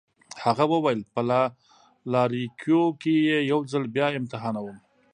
هغه وویل: په لایریکو کي يې یو ځل بیا امتحانوم.